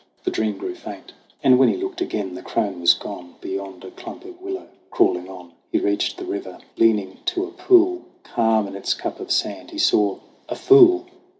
The dream grew faint ; 8o SONG OF HUGH GLASS And when he looked again, the crone was gone Beyond a clump of willow. Crawling on, He reached the river. Leaning to a pool Calm in its cup of sand, he saw a fool